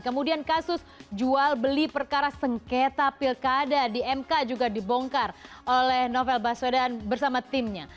kemudian kasus jual beli perkara sengketa pilkada di mk juga dibongkar oleh novel baswedan bersama timnya